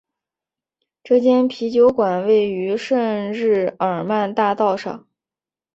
这间啤酒馆位于圣日耳曼大道上。